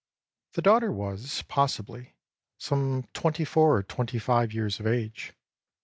The daughter was, possibly, some twenty four or twenty five years of age.